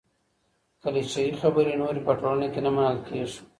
کليشه يي خبري نورې په ټولنه کي نه منل کېږي.